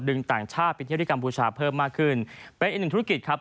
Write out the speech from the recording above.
ต่างชาติไปเที่ยวที่กัมพูชาเพิ่มมากขึ้นเป็นอีกหนึ่งธุรกิจครับ